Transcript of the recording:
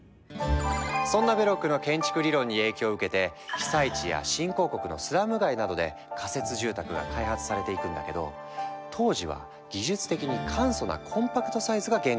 そんなベロックの建築理論に影響を受けて被災地や新興国のスラム街などで仮設住宅が開発されていくんだけど当時は技術的に簡素なコンパクトサイズが限界だった。